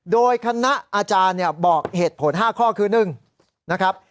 โดยคณะอาจารย์เนี่ยบอกเหตุผล๕ข้อคือหนึ่งนะครับ